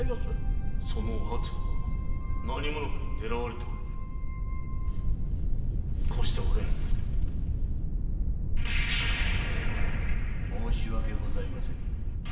そのお初は何者かに狙われておるこうしてはおられぬ申し訳ございません。